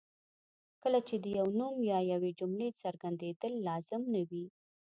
کله چې د یو نوم یا یوې جملې څرګندېدل لازم نه وي.